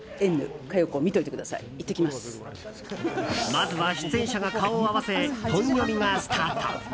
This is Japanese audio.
まずは出演者が顔を合わせ本読みがスタート。